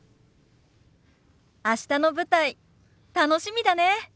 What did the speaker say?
明日の舞台楽しみだね。